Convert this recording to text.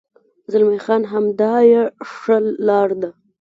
زلمی خان: همدا یې ښه لار ده.